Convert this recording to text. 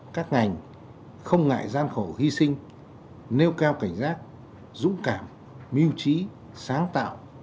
các ngành không ngại gian khổ hy sinh nêu cao cảnh giác dũng cảm mưu trí sáng tạo